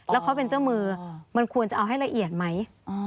แล้วเขาเป็นเจ้ามือมันควรจะเอาให้ละเอียดไหม